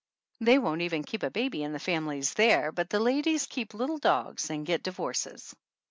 They won't even keep a baby in the families there, but the ladies keep little dogs and get divorces.